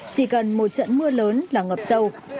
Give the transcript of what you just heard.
chỉ cần một trận mưa lớn là ngập sâu